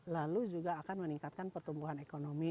lalu juga akan meningkatkan pertumbuhan ekonomi